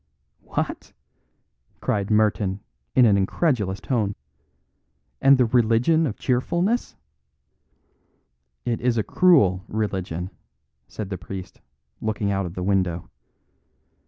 "What?" cried Merton in an incredulous tone. "And the Religion of Cheerfulness " "It is a cruel religion," said the priest, looking out of the window.